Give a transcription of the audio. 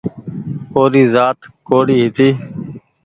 او ري زآت ڪوڙي هيتي